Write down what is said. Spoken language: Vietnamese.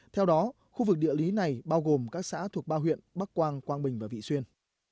theo đó khu vực địa lý này bao gồm các xã thuộc ba huyện bắc quang quang bình và vị xuyên